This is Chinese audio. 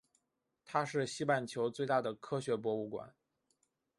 它是西半球最大的科学博物馆。